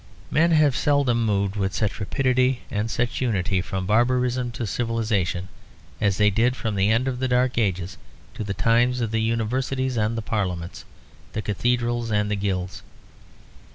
Men have seldom moved with such rapidity and such unity from barbarism to civilisation as they did from the end of the Dark Ages to the times of the universities and the parliaments, the cathedrals and the guilds.